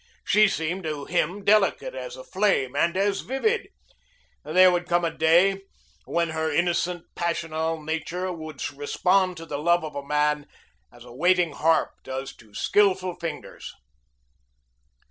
She seemed to him delicate as a flame and as vivid. There would come a day when her innocent, passional nature would respond to the love of a man as a waiting harp does to skillful fingers.